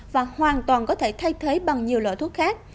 và hoàn toàn có thể thay thế bằng nhiều loại thuốc khác